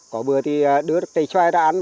có bữa thì đưa cây xoay ra ăn